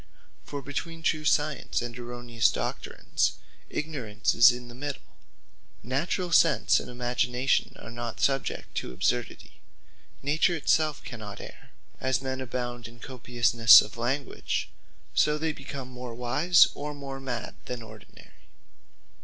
For between true Science, and erroneous Doctrines, Ignorance is in the middle. Naturall sense and imagination, are not subject to absurdity. Nature it selfe cannot erre: and as men abound in copiousnesse of language; so they become more wise, or more mad than ordinary.